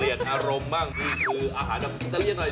เรียนอารมณ์บ้างที่คืออาหารอิตาเลี่ยนหน่อย